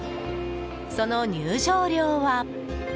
その入場料は。